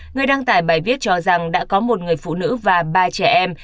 người đăng tải bài viết cho rằng đã có một người phụ nữ và ba trẻ em